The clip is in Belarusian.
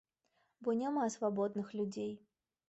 Бо няма свабодных людзей.